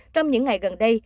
trong những ngày gần đây